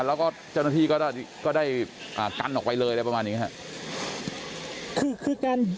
แล้วก็เจ้าหน้าที่ก็ได้กันออกไปเลยได้ประมาณนี้ครับ